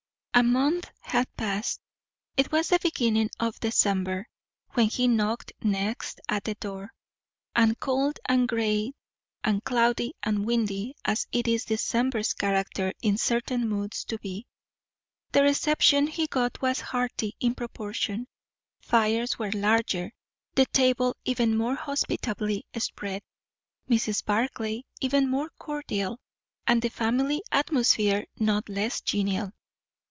A month had passed; it was the beginning of December when he knocked next at the door, and cold and grey and cloudy and windy as it is December's character in certain moods to be. The reception he got was hearty in proportion; fires were larger, the table even more hospitably spread; Mrs. Barclay even more cordial, and the family atmosphere not less genial.